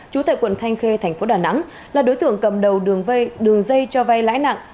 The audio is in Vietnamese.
trú tại quận thanh khê thành phố đà nẵng là đối tượng cầm đầu đường dây cho vay lãi nặng